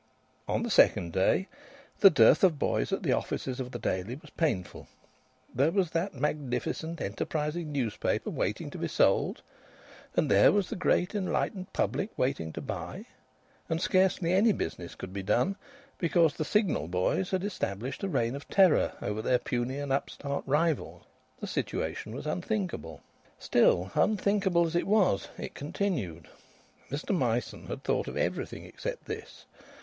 On the second day the dearth of boys at the offices of the Daily was painful. There was that magnificent, enterprising newspaper waiting to be sold, and there was the great enlightened public waiting to buy; and scarcely any business could be done because the Signal boys had established a reign of terror over their puny and upstart rivals! The situation was unthinkable. Still, unthinkable as it was, it continued. Mr Myson had thought of everything except this.